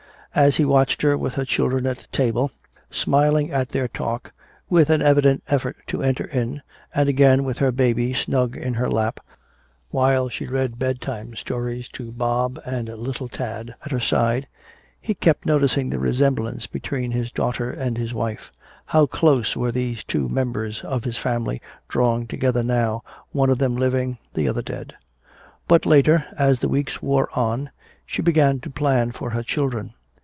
As he watched her with her children at table, smiling at their talk with an evident effort to enter in, and again with her baby snug in her lap while she read bedtime stories to Bob and little Tad at her side, he kept noticing the resemblance between his daughter and his wife. How close were these two members of his family drawing together now, one of them living, the other dead. But later, as the weeks wore on, she began to plan for her children.